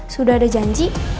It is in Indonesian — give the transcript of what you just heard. sudah ada janji